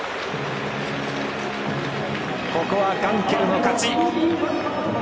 ここはガンケルの勝ち。